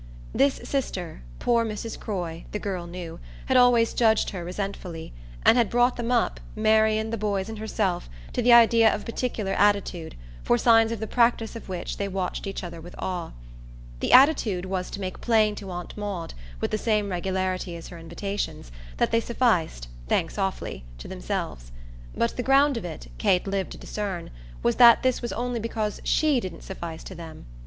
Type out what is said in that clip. This sister, poor Mrs. Croy, the girl knew, had always judged her resentfully, and had brought them up, Marian, the boys and herself, to the idea of a particular attitude, for signs of the practice of which they watched each other with awe. The attitude was to make plain to Aunt Maud, with the same regularity as her invitations, that they sufficed thanks awfully to themselves. But the ground of it, Kate lived to discern, was that this was only because SHE didn't suffice to them.